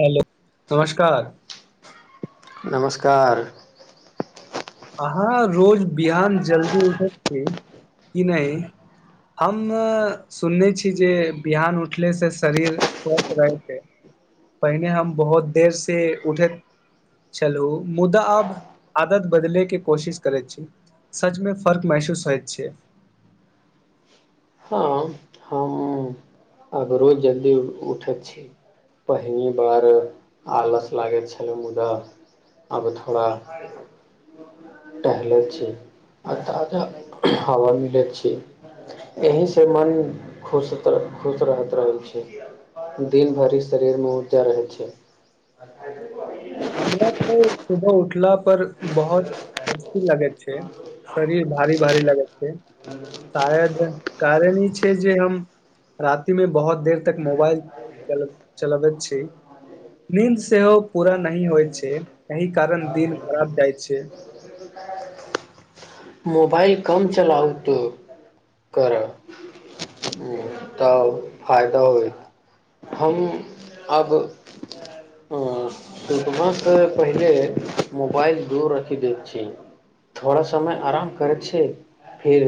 hello नमस्कार नमस्कार अहाँ रोज बिहान जल्दी उठैत छी कि नहि हम सुनने छी जे बिहान उठले से शरीर स्वस्थ रहैत छै पहिने हम बहुत देर से उठैत छलहुँ मुदा आब आदत बदलेके के कोशिश करैत छी सचमे फर्क महसूस होइत छीियै हँ हम आब रोज जल्दी उठैत छी पहिल बार आलस लागैत छल मुदा आब थोड़ा टहले छी आ ताजा हवा मिलैत छी एहि से मन खुश खुश रह रहल छै दिन भरि शरीरमे ऊर्जा रहै छै हमरा तो सुबह उठला पर बहुत सस्ती लगैत छै शरीर भारी भारी लगैत छै शायद कारण ई छै जे हम राति मे बहुत देर तक मोबाइल चल चलबैत छी नीन्द सेहो पूरा नह होइ छै एहिहि कारण दिन खराब जाइ छै मोबाल कम चलावत कर तऽ फायदा होय हम अब सुने पहिले मोबाइल दूर रखि दै छी थोड़ा समय आराम करै छीिय फिर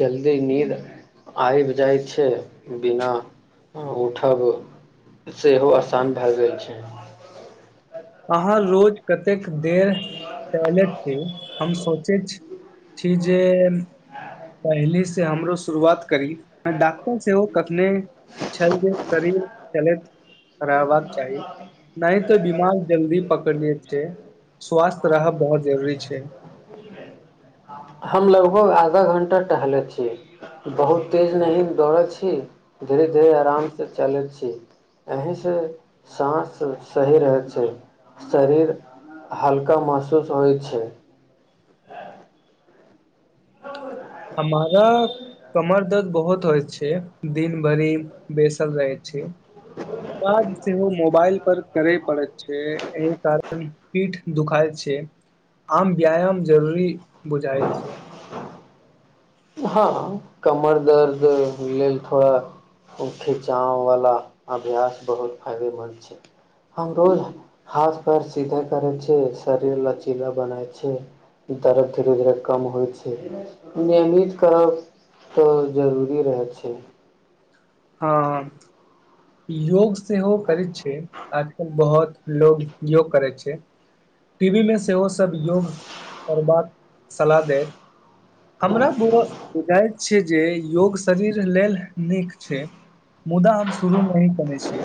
जल्दी नीद आबि जाइ छै बिना उठब सेहो आसान भए गेलइ छै अहाँ रोज कतेक देर चले छी हम सोचैत छी जे पहिले से हमरो शुरुआत करी डॉक्टर सेहो कखने छल जे शरीर चलैत हबाक चाही नहि तो बीमार जल्दी पकड़लियै छै स्वास्थ रहब बहुत जरूरी छै हम लगभग आधा घण्टा टहले छी बहुत तेज नी दौड़ैत छी धीरे धीरे आराम से चलैत छी एहिहींसँ साँस सही रहै छै शरीर हल्का महसूस होइ छै हमारा कमर दर्द बहुत होइ छै दिन भरि बसल रहै छै काज सेहो मोबाइल पर करे पड़ैत छै एहि कारण पीठ दुखााय छै आम व्यायाम जरूरी बुझााय छै हँ कमर दर्द लेल थोड़ा खिचाववला अभ्यास बहुत फायदेमन्द छै हम रोज हाथ पैर सीधा करै छिय शरीर लचीला बनै छै दर्द धीरे धीरे कम होइ छै नियमित करब तऽ जरूरी रह छै हँ ह योग सेहो करैत छैिय आजकल बहुत लोको योग करै छै टीवी मे सेहो सभ योग करबाक सलाह दै हमरा बुझइत छिय जे योग शरीर लेल नीक छै मुदा हमसभ शुरू नहिी केने छी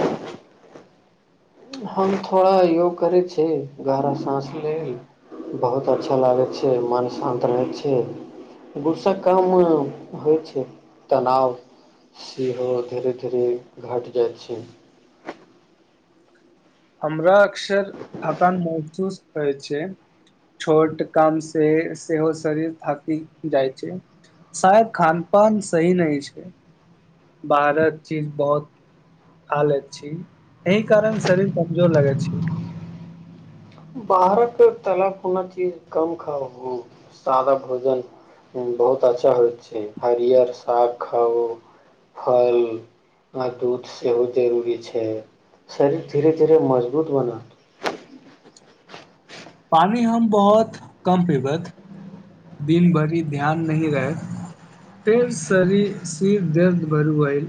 हम थोड़ा योग करै छिय गरा साँस लेल बहुत अच्छा लागै छै मन शान्त रहै छै गूसा काम होइ छै तनाव सेहो धीरे धीरे घटि जाइ छै हमरा अक्सर थकान महसूस होइ छै छोट काम से सेहो शरीर थाकि जाइ छै शायद खान पान सही नहि छै बाहरक चीज बहुत खा लैत छी एहि कारण शरीर कमजोर लगै छै बाहर तालापूना चीज कम खाउ सादा भोजन बहुत अच्छा होय छै हरियर साग खाउ फल आ दूध सेहो जरूरी छै शरीर धीरे धीरे मजबूत बनत पानि हम बहुत कम पीबथ दिन भरि ध्यान नहि रहैत फेर शरीर सिर दर्द भर आए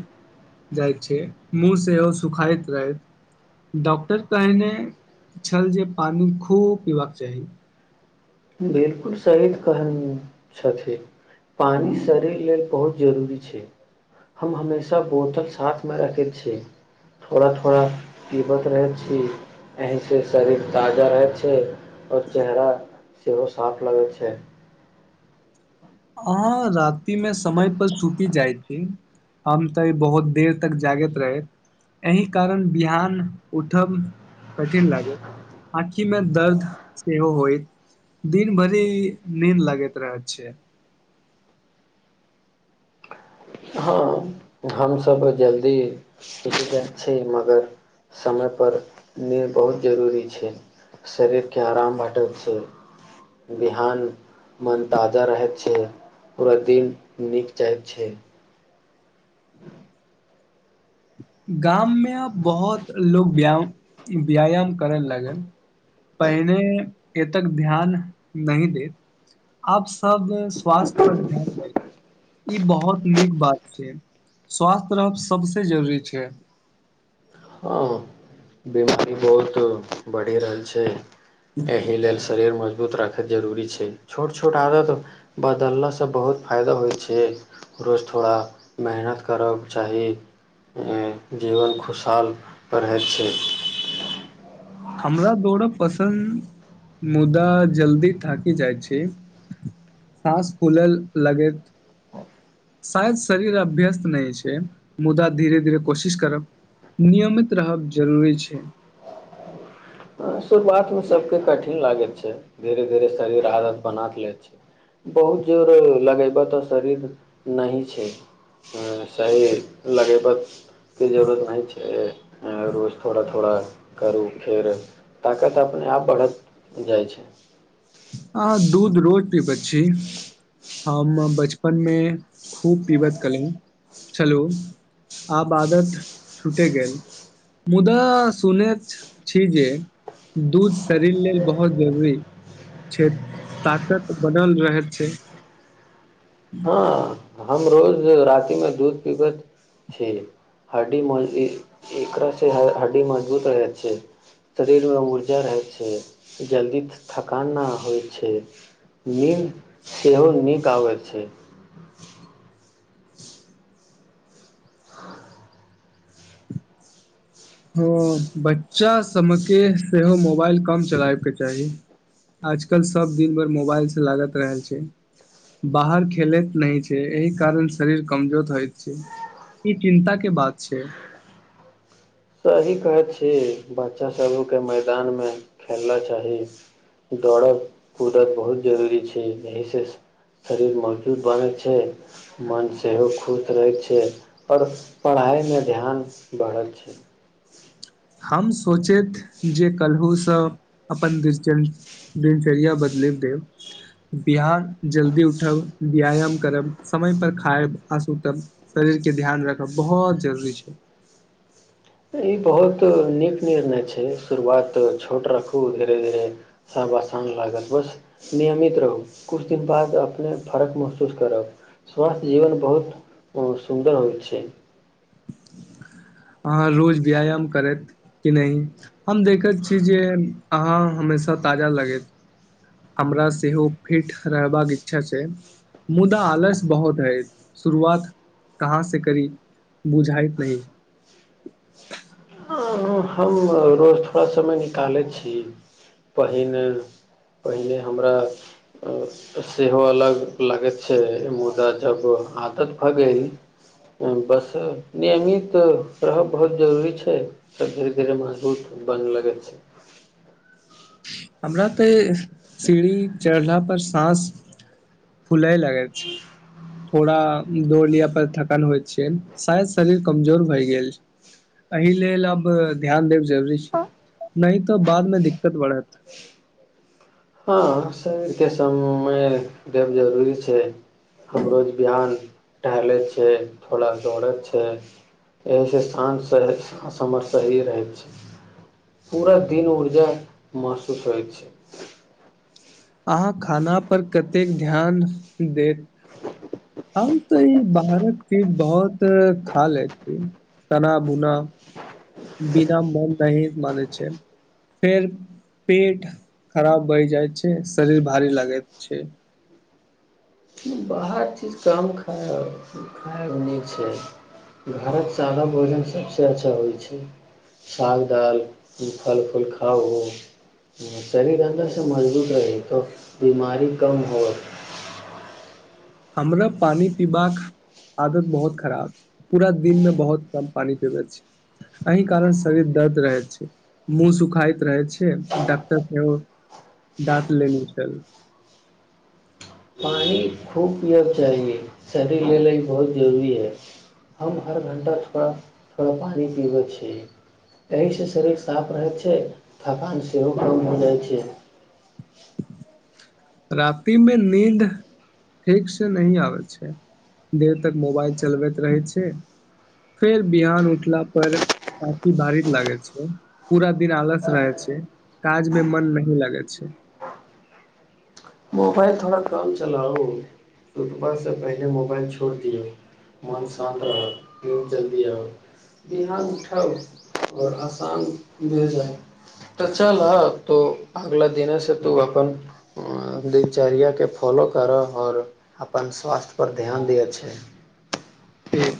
जाइत छै मुँह सेहो सुखाइत रहथि डॉक्टर कहने छल जे पानि खूब पबाक चाही बिलकुल सहीद कहन छथिन पानि शरीर लेल बहुत जरूरी छै हम हमेशा बोतल साथमे रखैत छी थोड़ा थोड़ा पीबत रहैत छी एहिसँ शरीर ताजा रहैत छै ओर चेहरा सेहो साफ लगैत छै अहाँ राति मे समय पर छूतीी जाइत छी हम तऽ बहुत देर तक जागैत रहैत एहि कारण बिहान उठब कठिन लागैत आँखि मे दर्द सेहो होय दिन भरि नीन्द लगैत रहैत छैिय हँ हमसभ जल्दी सच जाइत छी मगर समयपर नी बहुत जरूरी छै शरीरके आराम भेटैत छै बिहान मन ताजा रहैत छै पूरा दिन नीक जाइत छै [unintelligible] गाममे यहाँ बहुत लोग ब्य व्यायाम करै लगे पहिने ए तक ध्यान नहि देत आप सब स्वास्थ्य पर ध्यान दे ई बहुत नीक बात छै स्वास्थ रहब सबस जरूरी छै के बिमरी बहुत बढ़ि रहल छै एहि लेलल शरीर म मजूत राखैत जरूरी छै छोट छोट आदत बदललासँ बहुत फायदा होइ छै रोज थोड़ा मेहनत करकके चाही जीवन खुशहाल रहै छै हमरा दौड़ब पसन्द मुदा जल्दी थाकि जाइ छै साँस फूलय लगैत शायद शरीर अभ्यस्त नहि छै मुदा धीरे धीरे कोशिश करब नियमित रहब जरूरी छै शुरुआतमे सभके कठिन लागैत छै धीरे धीरे शरीर आदत बना लै छै बहुत जोर लगयबऽ त आओ शरीर नहि छै शरीर लगयबऽके जरूरत नहि छै रोज थोड़ा थोड़ा करू फेर ताकत अपने आप बढ़त जाइ छै अहाँ दूध रोज पीबैत छी हम बचपनमे खूब पीबैत केलहुँ चलू आब आदत छूटि गेल मुदा सुनैत छी जे दूध शरीर लेल बहुत जरूरी क ताकत बनल रहैत छै हँ हम रोज रातिमे दूध पीबैत छी हड्डी एकरासँ हड्डी मजबूत रहै छै शरीरमे ऊर्जा रहै छै जल्दी थकान नहि होइ छै नीन्द सेहो नीक आबै छै हँ बच्चा सभके सेहो मोबाइल कम चलाबैके चाही आजकल सभ दिन भरि मोबाइलसँ लागैत रहल छै बाहर खेलैत नहि छै एहि कारण शरीर कमजोर होइत छै ई चिन्ताके बात छै सही कहैत छी बच्चा सभके मैदानमे खेलना चाही दौड़ब कूदत बहुत जरूरी छै एहिसँ शरीर मजबूत बनैत छै मन सेहो खुश रहैत छै आओर पढ़ाइमे ध्यान बढ़ैत छै [unintelligible] हम सोचैत जे कलहुूसँ अपन दिनचर्य दिनचर्या बदलि देब बिहान जल्दी उठब व्यायाम करब समयप खायब आ सुतब शरीरके ध्यान राखब बहुत जरूरी छै ई बहुत नीक निर्णय छै शुरुआत छोट राखू धीरे धीरे बसान लागल बस नियमित रहू किछु दिन बाद अपने फर्क महसूस करब स्वास्थ्य जीवन बहुत सुन्दर होइ छै अहाँ रोज व्यायाम करथि कि नहि हम देखैत छी जे अहाँ हमेशा ताजा लगैत हमरा सेहो फिट रहबाक इच्छा छै मुदा आलस्य बहुत हय शुरुआत कहाँ से करी बुझाइत नहि अ, हम रोज थोड़ा समय निकाले छी पहिने पहिने हमरा सेहो अलग लागैत छै मुदा जब आदत भऽ गेल बस नियमित रहब बहुत जरूरी छै तऽ धीरे धीरे मजबूत बन लगै छै हमरा तऽ सीढ़ी चढ़ला पर साँस खुले लागै छै थोड़ा दौड़ लििया पर थकान होय छै शायद शरीर कमजोर भय गेल एहि लेल अब ध्यान देब जरूरी छै नहि तऽ बाद मे दिक्कत बढ़त हँ शरीरके समय देब जरूरी छै हम रोज बिहान टहलै छै थोड़ा दौड़ैत छै एहिसँ शान्त शस हमर शरीर रहै छै पूरा दिन ऊर्जा महसूस होइ छै अहाँ खानापर कतेक ध्यान देत हम तऽ ई बाहरत चीज बहुत खा लै छी चना बुना बिना मन नह मने छै फेर पेट खराब बहि जाइ छै शरीर भारी लगे छै बाहर चीज काम खाय खाय नहि छै घरक सादा भोजन सबसँ अच्छा होइ छै साग दाल फल फूल खाओ शरीर अन्दरसँ मजबूत रही तऽ बीमारी कम हो हमरा पानि पीबाक आदत बहुत खराब छै पूरा दिनमे बहुत कम पानि पीबैत छै एहि कारण शरीर दर्द रहैत छै मुँह सुखाइत रहै छै डॉक्टर सेहो डाँट लेने छल खूब य शरीर ल ई बहुत जरूरी हइ हम हर घण्टा थोड़ा थोड़ा पानि पीबै छी एहिसँ शरीर साफ रहै छै थकान सेहो कम हो जाइ छै रातिमे नीन्द ठीक से नही आबै छै देर तक मोबाइल चलबैत रहै छै फेर बिहान उठला पर पथी भारीित लागै छै पूरा दिन आलस रहै छै काजमे मन नही लागै छै मोबाइल थोड़ा काम चलाउ रकबा से पहिले मोबाइल छोड़ दिौ मन शान्त रहत प जल्दी आउ बिहान उठाउ आओर आसान भ जा तऽ चल हऽ तो अगला दििनसँ तू अपन दिनचर्याके फॉलो करऽ आओर अपन स्वास्थ्य पर ध्यान दअ छै ठ